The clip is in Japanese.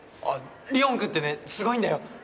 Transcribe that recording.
あっ凛音くんってねすごいんだよ。